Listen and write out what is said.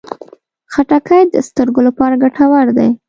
خټکی د سترګو لپاره ګټور دی.